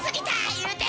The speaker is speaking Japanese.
言うて。